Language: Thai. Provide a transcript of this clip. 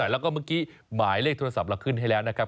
แล้วก็เมื่อกี้หมายเลขโทรศัพท์เราขึ้นให้แล้วนะครับ